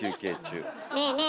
ねえねえ